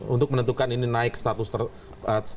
untuk menentukan ini naik status